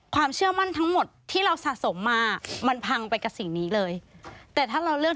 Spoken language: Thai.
ความเชื่อมั่นทั้งหมดที่เราสะสมมามันพังไปกับสิ่งนี้เลยแต่ถ้าเราเลือก